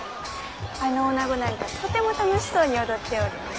あのおなごなんかとても楽しそうに踊っておる。